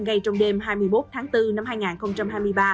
ngay trong đêm hai mươi một tháng bốn năm hai nghìn hai mươi ba